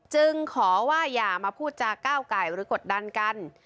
จึงขอว่าอย่ามาพูดจาก้าวไก่หรือกดดันกัน